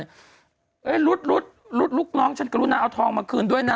เรือลุดรุดลุกน้องกับลูกหน้าเอาทองมาคืนด้วยนะ